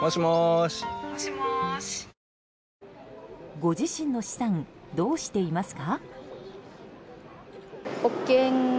ご自身の資産どうしていますか？